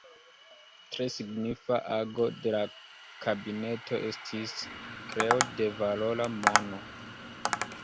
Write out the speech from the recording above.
Tre signifa ago de la kabineto estis kreo de valora mono.